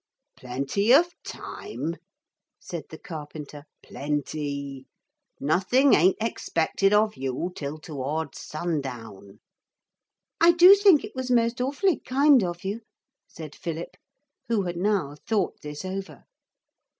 'Plenty of time,' said the carpenter, 'plenty. Nothing ain't expected of you till towards sundown.' 'I do think it was most awfully kind of you,' said Philip, who had now thought this over.